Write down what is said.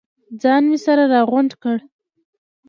ځان مې سره راغونډ کړ.